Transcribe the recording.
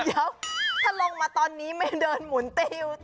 เดี๋ยวถ้าลงมาตอนนี้ไม่เดินหมุนติ้ว